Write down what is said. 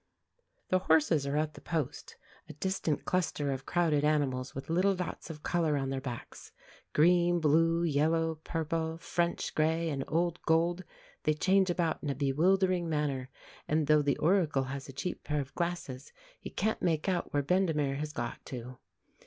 The horses are at the post; a distant cluster of crowded animals with little dots of colour on their backs. Green, blue, yellow, purple, French grey, and old gold, they change about in a bewildering manner, and though the Oracle has a cheap pair of glasses, he can't make out where Bendemeer has got to.